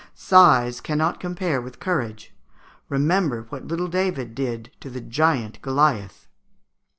Size cannot compare with courage. Remember what little David did to the Giant Goliath."